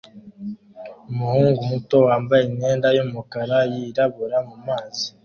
Umuhungu muto wambaye imyenda yumukara yirabura mumazi